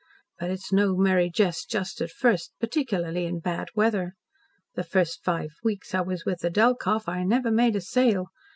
But it's no merry jest just at first particularly in bad weather. The first five weeks I was with the Delkoff I never made a sale.